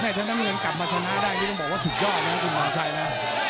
แม่งท่านท่านเงินกลับมาชนะได้นี่ก็บอกว่าสุดยอดนะครับคุณหวังชัยนะ